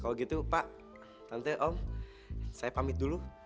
kalau gitu pak nanti om saya pamit dulu